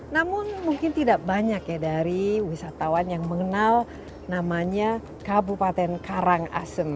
namun mungkin tidak banyak ya dari wisatawan yang mengenal namanya kabupaten karangasem